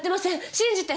信じて！